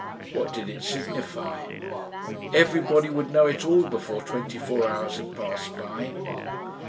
What did it signify? Everybody would know it all before twenty four hours had passed by.